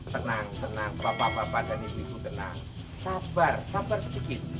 tenang tenang bapak bapak dan ibu ibu tenang sabar sabar sedikit